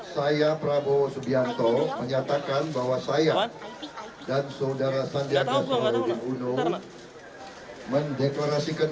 saya prabowo subianto menyatakan bahwa saya dan saudara sandiaga solo di uno mendeklarasikan